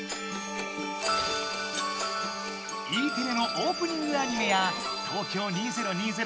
Ｅテレのオープニングアニメや東京２０２０